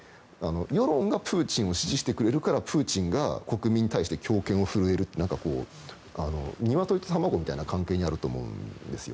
世論がプーチンを支持してくれるからプーチンが国民に対して強権を振るえるという鶏と卵みたいな関係になると思うんですよ。